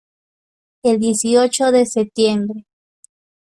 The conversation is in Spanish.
el dieciocho de septiembre.